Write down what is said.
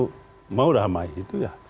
kalau mau damai itu ya